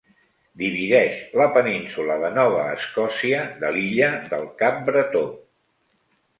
Divideix la península de Nova Escòcia de l'Illa del Cap Bretó.